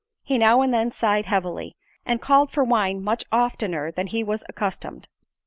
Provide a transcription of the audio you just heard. He now and then sighed heavily—and called for wine much oftener than he was accustomed.